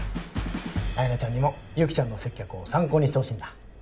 あやなちゃんにも雪ちゃんの接客を参考にしてほしいんだ。